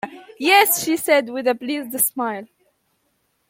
"Yes", she said, with a pleased smile.